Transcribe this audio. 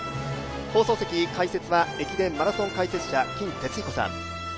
放送席、解説は駅伝マラソン解説者金哲彦さん